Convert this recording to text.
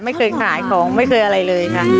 ไม่เคยขายของไม่เคยอะไรเลยค่ะ